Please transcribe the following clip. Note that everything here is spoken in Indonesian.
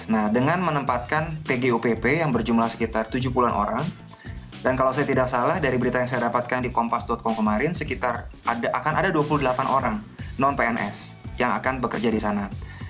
nah dengan menempatkan tgopp yang berjumlah sekitar tujuh puluh an orang dan kalau saya tidak salah dari berita yang saya dapatkan di kompas com kemarin sekitar akan ada dua puluh delapan orang non pns yang akan bekerja di sana